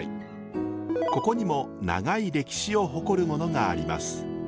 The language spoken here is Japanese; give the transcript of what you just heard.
ここにも長い歴史を誇るものがあります。